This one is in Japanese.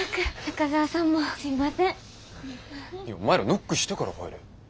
いやお前らノックしてから入れよ。